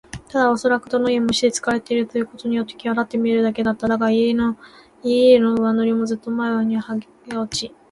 ただおそらくどの家も石でつくられているということによってきわだって見えるだけだった。だが、家々の上塗りもずっと前にはげ落ち、